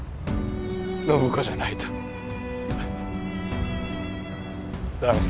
暢子じゃないと駄目。